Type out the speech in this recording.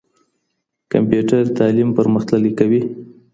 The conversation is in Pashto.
کمپيوټر تعليم پرمختللی کوي.